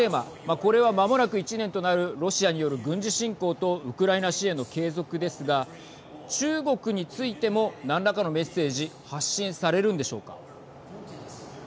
これは、まもなく１年となるロシアによる軍事侵攻とウクライナ支援の継続ですが中国についても何らかのメッセージ発信されるんでしょうか。